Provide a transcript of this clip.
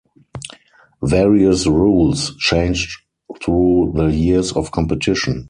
Various rules changed through the years of competition.